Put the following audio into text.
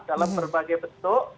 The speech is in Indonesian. dalam berbagai bentuk